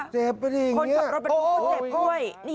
เกลียดมาหรือเนี่ย